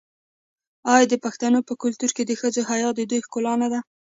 آیا د پښتنو په کلتور کې د ښځو حیا د دوی ښکلا نه ده؟